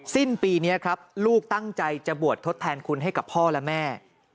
สิ้นปีนี้ครับลูกตั้งใจจะบวชทดแทนคุณให้กับพ่อและแม่